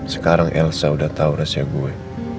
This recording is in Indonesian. sekarang elsa sudah tahu rahasia saya